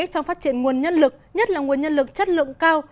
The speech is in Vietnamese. trong phát triển nguồn nhân lực nhất là nguồn nhân lực chất lượng cao